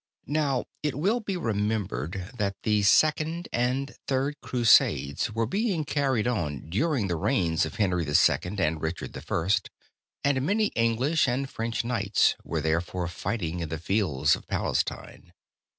Now, it will be remembered that the second and third crusades were being carried on during the reigns of Henry II. and Richard I., and many English and French Knights were therefore fighting in the fields of Palestine.